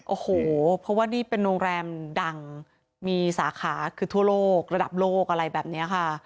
โอ้โหเพราะว่านี่เป็นโรงแรมดังมีสาขาคือทั่วโลกระดับโลกอะไรแบบนี้ค่ะ